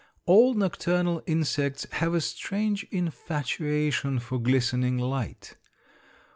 All nocturnal insects have a strange infatuation for glistening light.